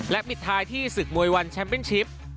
และมิดท้ายที่ศึกมวยวันแชมปินชิป